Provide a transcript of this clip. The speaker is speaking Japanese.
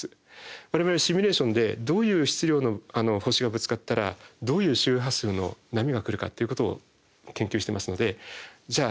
我々シミュレーションでどういう質量の星がぶつかったらどういう周波数の波が来るかっていうことを研究してますのでじゃあ